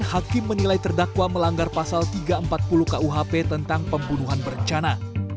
hakim menilai terdakwa melanggar pasal tiga ratus empat puluh kuhp tentang pembunuhan berencana